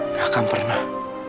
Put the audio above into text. nggak akan pernah